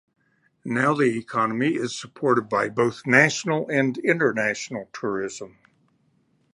Now the economy is supported by both national and international tourism.